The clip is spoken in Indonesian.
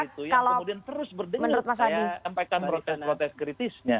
kalau menurut mas adi